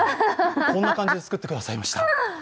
こんな感じで作ってくださいました。